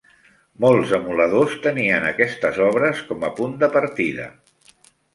Molts emuladors tenien aquestes obres com a punt de partida.